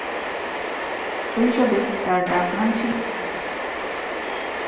শৈশবে তার ডাক নাম ছিল "হামবুর্গ"।